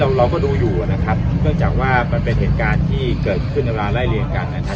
เราก็ดูอยู่นะครับเนื่องจากว่ามันเป็นเหตุการณ์ที่เกิดขึ้นในเวลาไล่เรียนกันนะครับ